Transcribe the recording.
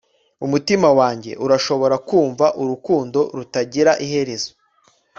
Umutima wanjye urashobora kumva urukundo rutagira iherezo